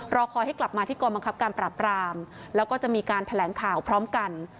รอคอยให้กลับมาที่กองบังคับการปราบรามแล้วก็จะมีการแถลงข่าวพร้อมกัน